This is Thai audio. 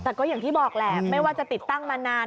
แต่ก็อย่างที่บอกแหละไม่ว่าจะติดตั้งมานาน